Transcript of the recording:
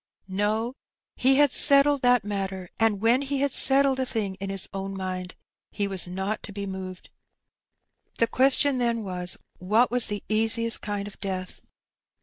No; he had settled that matter^ and when he had settled a thing in his own mind he was not to be moved. The question then was^ what was the easiest kind of death?